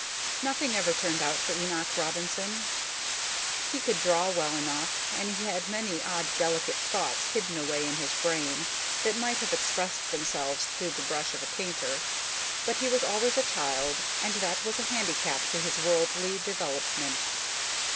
Nothing ever turned out for Enoch Robinson. He could draw well enough and he had many odd delicate thoughts hidden away in his brain that might have expressed themselves through the brush of a painter, but he was always a child and that was a handicap to his worldly development.